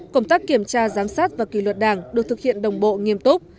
công tác kiểm tra giám sát và kỳ luật đảng được thực hiện đồng bộ nghiêm túc